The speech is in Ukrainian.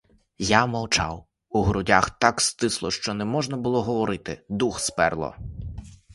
Я мовчав; у грудях так стисло, що не можна було говорити, дух сперло.